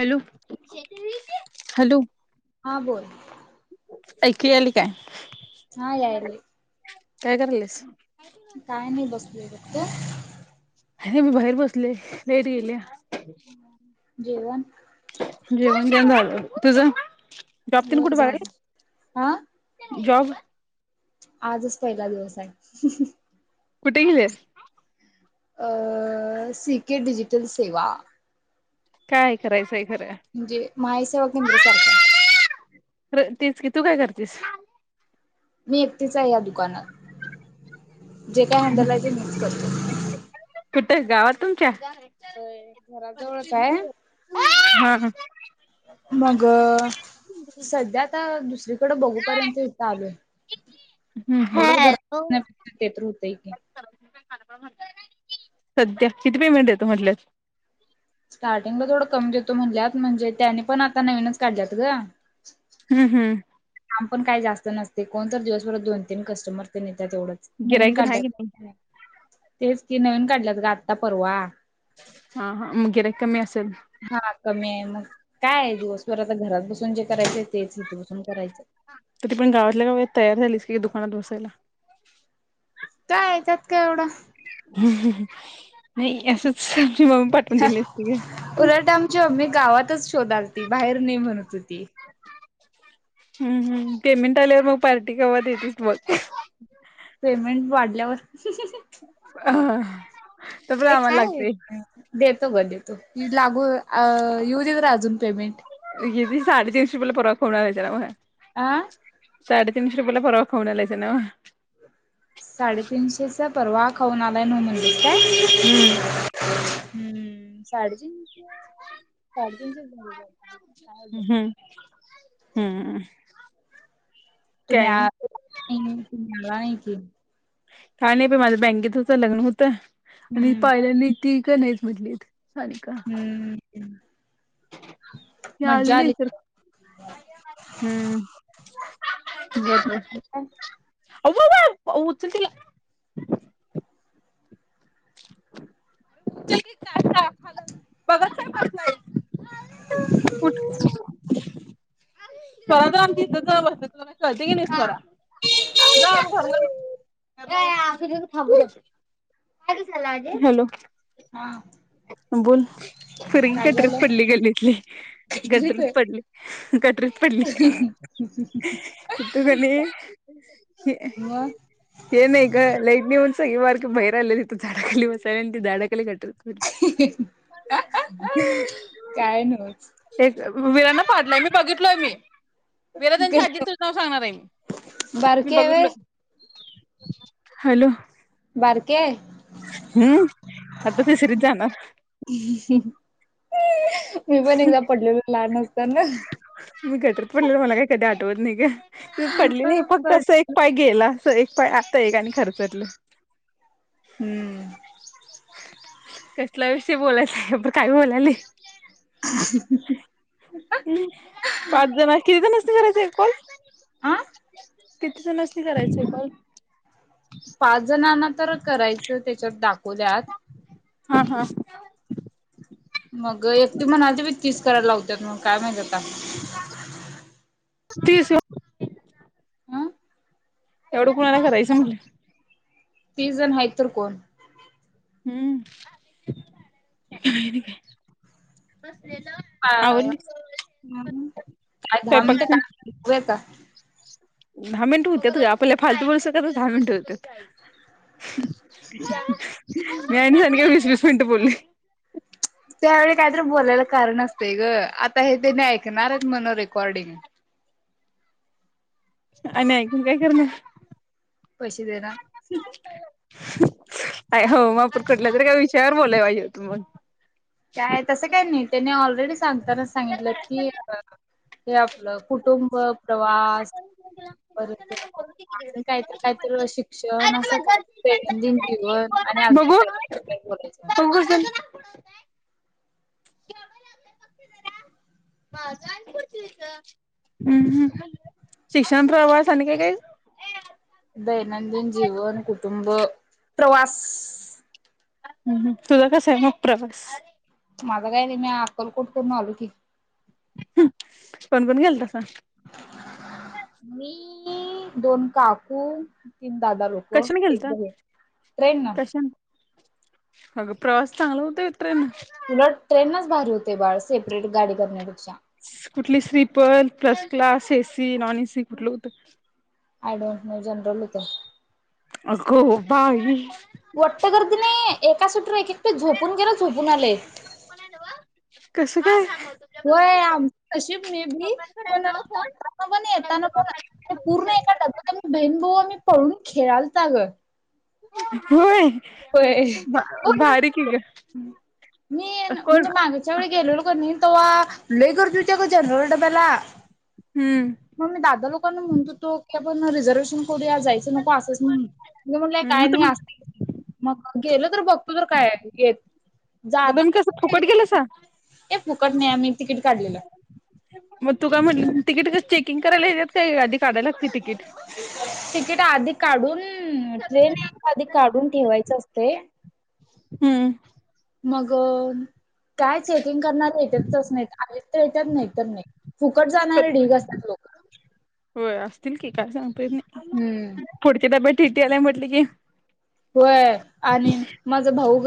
Hello. Hello. हा. बोल. ऐकि आली काय? हा यायली. काय करालस? काय नाही. बसलूय बघ तु? अरे मी बाहेर बसलोय. लाईट गेल्या. जेवण जेवण बिवण झालं. तुझं. जॉब तिन हो कुठे बघे, झालं हा जॉब. आजच पहिला दिवस आहे. कुठ गल्यास. अ सी के डिजिटल सेवा.... काय करायचंय. खरं म्हणजे मायसेेवा केंद्र सारखा. र तीच कि तू काय करतेस. मी एकटीच आहे, या दुकानात. जे काय हँडल आहे ते मिच करते. कुठ गावात तुमच्या. होय घराजवळच आहे हा. हा मग... सध्या आता दुसरीकडे बघूपर्यंत इथ आलोय थोडच हॅलो घरण्याप ते तर र्होतय की. सध्या किती पेमेंट देतो म्हटल्यात. स्टार्टिंगला थोडं कमी देतो म्हणल्यात म्हणजे त्यानी पण आता नवीनच काढल्यात ग. हम्म हम्म काम काही जास्त नसते कोणतर दिवसभरात दोन तीन कस्टमर तेन येत. तेवढंच नवीन गिराईक तेन हाय की नाही? काढल्यात. तेच ती नवीन काढल्यात ग आत्ता परवा. हा हा मग गिराईक कमी अस हा कमी आहे मग. काय दिवसभर आता घरात बसून जे करायचं तेच इथे बसून करायचं. तरी पण गावातल्या गाव तयार झालीस की दुकानात बसायला. काय त्यात काय एवढं. हम् नाही असंच मम्मी पाठवून दिली नसती ग. तोंडालती बाहेर नाही म्हणत होती हम्म हम् पेमेंट आल्यावर पार्टी कवा देतीस मग. पेमेंट वाढल्यावर. तर पण हे आम्हाला काय लागते दे तो ग देतो लागू येऊ दे तर अजून. पेमेंट. साडे तिनशे बला पगार येणार आहेला आ साडेतीनशे रुपयाेला परवा खाउन आलायसा नव्ह. साडेतीनशेचा परवा खाऊन आलाय न म्हणजे काय हम्म हम्म साडेतीनशे साडेतीनशेच दिले ग. हम्म हम्म तुम्ही काय आ तुम्ही आला नाही की काय नाही बाई माझं बँकेत होतं लग्न होतं. आणि हम्म पाहिल्यानी. ती का नाहीच म्हटलीत [inaudible] हम्म याले मज्जा ना आली. इर हम् बर बर अगं उचल तिला [unintelligible] य बघत बसलाईस उठ स्वरात आमच्या इथ जा असते तुला कळते की नाही स्वरा [inaudible] ह अस था़ंब [inaudible] हॅलो हा बोल पोरगी काय गटरीत झालं पडली गल्लीतली ऐकलीत गटरीत पडली गटरीत पडली तथ कणी मग हे नाही ग लाईट नेऊन सगळी बारक ब बाहेर आले झाडाखाली बसायला आलती झाडा खाली गट काय नव्हतच वीरांन पाडलाय मी बघितलोय मी विराजांच्या आजीच नाव सांगणार आहे मी मी बारकी आहे व्हय बघितलोय हॅलो बारकी आहे हम् आता तिसरीत जाणार मी पण एकदा पडलेलो लहान- असताना मी गटरत पडले मला काय कधी आ वट नाही ग. पडली नाही फक्त पड असं एक पाय गेला अस एक पण आता एक आणि खरचटलं. हम्म कसला विषय बोलायचं आहे आपण काय बोलायलोय [inaudible] हम्म पाच जण किती जण. किती करायचंय कॉल. आ [inaudible] किती जणांना करायचंय कॉल. पाच जण नंतरच करायचं त्याच्यात दाखवल्यात. हा हा. मग एकटी म्हणालती बाई तीस करायला लावत्यात काय माहिती आता? तीस. हं एवढं कुणाला करायचं म्हणलं. तीस जण हाईत तर कोण? हम्. हा, हम्म, आज दहा स्वयंपाक मिनटे तेन. काम [unintelligible] दहा मिनिट होत्यात ग आपल्याला फालतू बोलस [unintelligible] दहा मिनट होत्यात. मी आणि [unintelligible] वीस वीस मिनट बोलली. त्यावेळी काहीतरी बोलायला कारण असतेय ग आता हे तेनी ऐकणार आहेत म्हण रेकॉर्डिंग. आणि ऐकून काय करणार. पैसे देणार हो मग आपण कुटल्या तरी का विषयावर बोलाय पाहिजे. तु बोल. काय तसं काय नाही त्यानी ऑलरेडी सांगताना सांगितल्यात की हे आपलं कुटुंब, प्रवास परत आणि काहीतरी काहीत शिक्षण असं काहीत दैनंदिन जीवन आणि अजून बघू काही तर काही बोलायचं. बघू कस हम्म हम्म, शिक्षण प्रवास आणि काय काय? दैनंदिन जीवन, कुटुंब, प्रवास. हम्म, तुझा कस आहे मग प्रवास. माझ काय नाही मी अक्कलकोट करून आलो की. [unintelligible] कोण कोण गेल तसा? मी दोन काकू. तीन दादा लोक कशाने एक गेलता [unintelligible] ट्रेन न. कशाने अगं प्रवास चांगला होताय. उलट ट्रेनच भारी होतय बाळ सेपरेट गाडी करण्यापेक्षा. कुठली sleeper, first class, AC non AC कुठलं होतं? आय डोंट नो जनरल होत. आग बाई. वट्ट गर्दी नय एका सीटवर एक एकटी झोपून गेलो झोपून आलोय. कसं काय? होय आमच नाशीब मे बी पण जाताना पण येताना पण पूर्ण एका डब्यात बहीण भाऊ आम्ही पळून खेळालता अग. होय. होय पूर्णच, भारी की ग मी म्हणजे कोण मागेच्या वेळी गेलेलो कण्य तवा लय गर्दी होती अग जनरल डब्याला. हम्म म मी दादा लोकांना म्हणत होतो की पण रिझर्वेशन करूया जायच नको असंच म्हणून मी म्हणलं मग काय नाही तुम्ही अस मग गेलं तर बघतो तर काय येत. मग जाता तुम्ही कसं फुकट गेलासा हे फुकट नाही आम्ही तिकीट काढलिला. मग तू काय म्हटलं तिकीट कस चेकिंग करायला येत का गाडीत. साध्या लागते टिकीट. तिकीट आधी काढून. ह ट्रेन एखादी काढून. ठेवायचं असते. हम्म. मग कायचे. ंग करणार यच नाही आले येत नाही तर नाही फुकट जाणारे ढिग असतात लोक. हम्म. [unintelligible] पुढचे टिटी आला म्हटले की- होय आणि माझं भाऊ ग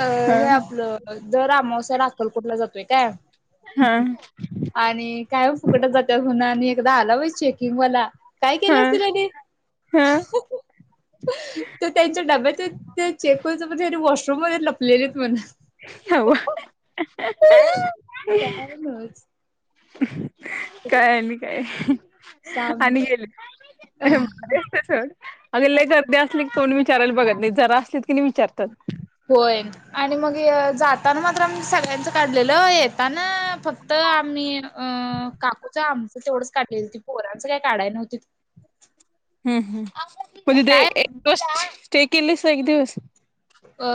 अ हे हा आपलं दर अमावस्याला अक्कलकोटला जातो. ते काय- हा आणि काय फुकटच जाते होवून आणि- एकदा आला होय चेकिंग वाला- काय केलं हा असतिल हयांनी हा ते त्यांच्या डब्यात चेक कराच म्हणजे वॉश- रुम मध्ये लपलेत म्हण- हवा कायमच- काय आणि काय सहा आणि मिनिट गेली [unintelligible] सोड- अग लइ गर्दी असली की कोणी विचारायला बघत नाही जरा असली- होय आणि मग जात- जातांना मात्र आम्ही सगळ्यांचं काढलेलं येताना फक्त आम्ही अं काकूचं आमचं तेवढंच काढलेलं ते पोरांचं काही काढाय नव्हती- हम्म हम्म. म्हणजे ते एक दो- ते केलीस एक दिवस - अ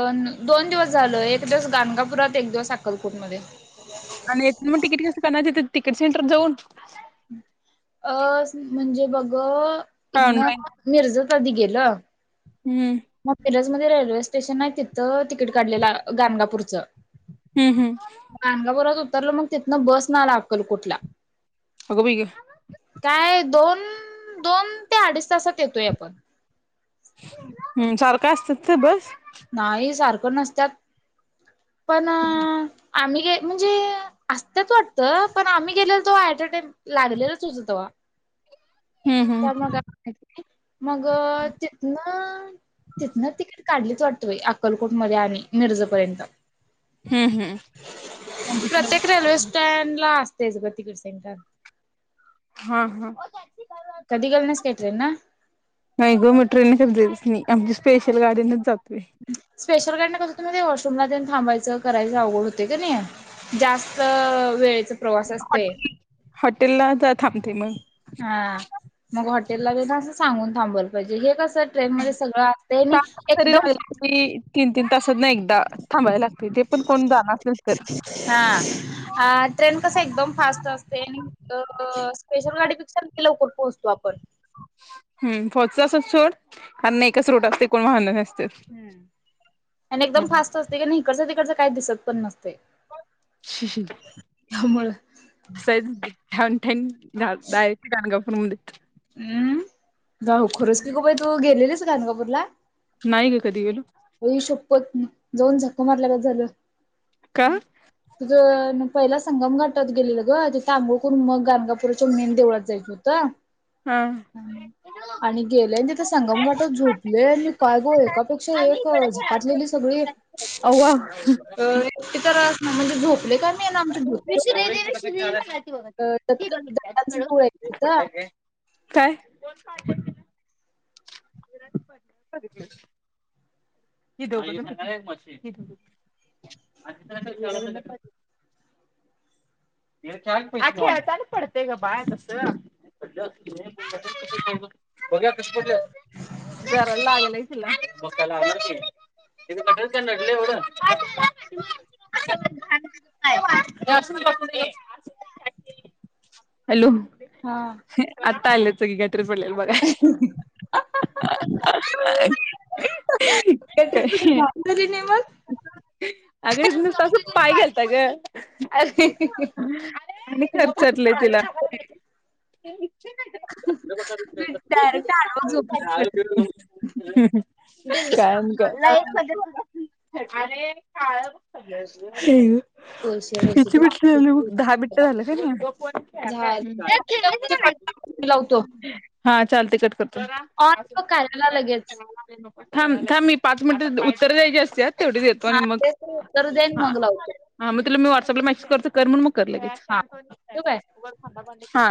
दोन दिवस झाल एक दिवस गाणगापुरात एक दिवस अक्कलकोट मध्यें. आणि एक मोठी [unintelligible] तिकीट सेंटर जाऊन- अ म्हणजे बघ- काय इतन ऑनलाईन मिरजेत अधि गेेलतो. ल. हम्म. म रेल्वे स्टेशन आहे तिथं तिकीट काढलेलं गाणगापूरचं हम्म हम्म गानगापुरात होत तरल मग तिथन बस न आला अक्कलकोटला. अगं बाई काय दोन दोन ते अडीच तासात येतोय आपण. हम्म सार काय अस्त तीड बट नाही सारखं नसत्यात. पण अ आम्ही गे म्हणजे, असत्यात वाटतं, पण आम्ही गेलेल तेव्हा ऍट अ टाम लागलेलंच होत तेवा हम्म त्या हम्म मग, मग तिथन तिथन तिकीट काढलीच वाटतं? अक्कलकोटमध्ये आहे मिरजपर्यंत. हम्म हम्म. तेज पत कठ सेट [inaudible] हा हा. गेली नाहीस काय ट्रेन न? नाही गोमटरेने कर दस नाही [inaudible] आमची स्पेशल गाडीनच जातो. स्पेशल गाडीनं, कस तुम्ही ते वाँशरूम ला थांबायचं करायच अवघड होतंय की नाही जास्त वेळ प्रवास असते. हॉटेल ला थांबते मग. हा, मग हॉटेल ला बे असं सांगून थांबवलं पाहिजे, हे कस ट्रेन मध्ये सगळं असतय नाही सात तास जरी एकदम लागले तरी तीन तीन तासात ना एकदा थांबायला लागते ते पण कोण जाणार असेल तर हा. अ ट्रेन कस एकदम फास्ट असते आणि स्पेशल गाडीपेक्षा लवकर पोहोचतो आपण. हम्म फच सोड [inaudible] कारण एकच रूट असतय. कोण म्हणाल हम्. आणि एकदम फास्ट असतय, ईकडच तिकडच काय दिसत पण नसतय. शश [inaudible] व ठन [inaudible] य काग [inaudible] आणिमध्ये [inaudible] [unintelligible] हम्म. जाऊ खरंच की ग बाई तू गेलेलीस गाणगापूरला- नाही ग कधी गेलू. आई शप्पथ जाऊन झकं मारल्यागत झालं. का तुझ न. पहिला संगम घाटात गेलेलं ग तिथ अंगोळ करून मग गाणगापुराच्या मेन देवळात जायचं होतं. हा आणि गेलय आणि तिथ संगम घाटत झोपलय आणि काय ग एकापेक्षा एक झपाटलेली सगळी अव्वा अ.. तिथ म्हज दःख [unintelligible] का मी आहे ना आमच्याकड. अ दत्ांच गळायच का? काय? [unintelligible] हि दोघ. खेळता पडत ग बाळ तसं, जरा लागलय तिला. हॅलो. हा. तायलेत सगळीकड. पडलेल बघा हं हं हं अ ए ए. कटरपती घाम झाली नाही मग. अगरच न तसं पाय घालताय ग. अरे म्हणजे आणि खर्चटला तिला. मी डायरेक्ट आडवं झोपलो अरे काळ हग वैशे वैशे तुला विितीबटली अ. दहा बिट्ट झालं का झालं कट हा. चल तिकट कर. अ म करायला लगेच. थां थांबी मी पाच मिनिट [unintelligible] तर द्यायची असते तेवढीच देतो आणि हा मग तेच तर उत्तर देन मग लावतो. हा मग तुला मी वाट ग माग मग. कर लगीच. हा ठेवू काय? हा.